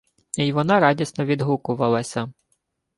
Й вона радісно відгукувалася: